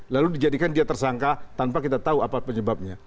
lalu dijadikan dia tersangka tanpa kita tahu apa penyebabnya